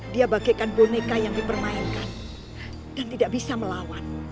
dia bagaikan boneka yang dipermainkan dan tidak bisa melawan